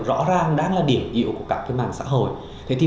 rõ ràng đang là điểm yếu của các mạng xã hội